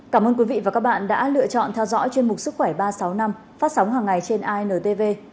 cảm ơn quý vị và các bạn đã lựa chọn theo dõi chương mục sức khỏe ba sáu năm phát sóng hàng ngày trên intv